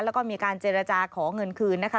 แล้วก็มีการเจรจาขอเงินคืนนะคะ